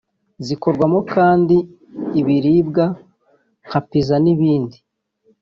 zikorwamo kandi ibiribwa nka pizza n’ibindi